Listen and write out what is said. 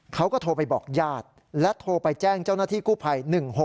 เขาก็โทรไปบอกญาติและโทรไปแจ้งเจ้าหน้าที่กู้ภัย๑๖๖